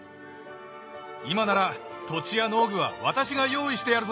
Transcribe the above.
今なら土地や農具は私が用意してやるぞ！